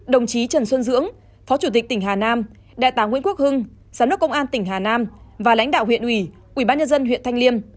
đồng chí trần xuân dưỡng phó chủ tịch tỉnh hà nam đại tá nguyễn quốc hưng giám đốc công an tỉnh hà nam và lãnh đạo huyện ủy ubnd huyện thanh liêm